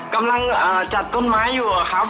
กำลังจัดต้นไม้อยู่อะครับ